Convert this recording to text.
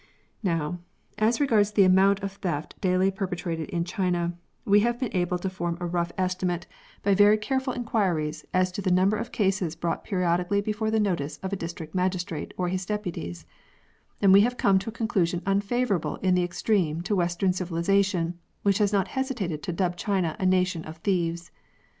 Now, as regards the amount of theft daily perpetrated in China, we have been able to form a rough estimate, I20 THIEVING, by very careful inquiries, as to the number of cases brought periodically before the notice of a district magistrate or his deputies, and we have come to a conclusion unfavourable in the extreme to western civilisation, which has not hesitated to dub China a nation of thieves.